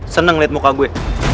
seneng liat muka gue